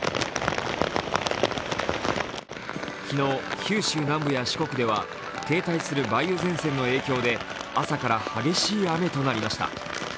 昨日、九州南部や四国では停滞する梅雨前線の影響で朝から激しい雨となりました。